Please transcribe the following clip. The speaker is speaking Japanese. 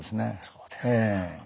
そうですか。